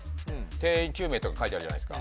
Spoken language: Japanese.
「定員９名」とか書いてあるじゃないですか。